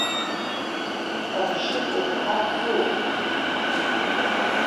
Ҟаршык уахәхарцу?